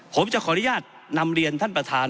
ผมจะขออนุญาตนำเรียนท่านประธาน